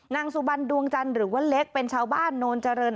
นางสุบันดวงจันทร์หรือว่าเล็กเป็นชาวบ้านโนนเจริญ